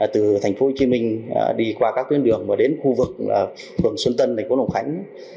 từ tp hcm đi qua các tuyến đường và đến khu vực vườn xuân tân thành phố long khánh